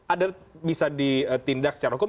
ada bisa ditindak secara hukum